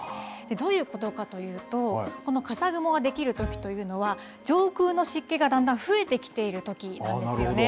どういうことかというと、この笠雲が出来るときというのは、上空の湿気がだんだん増えてきているときなんですよね。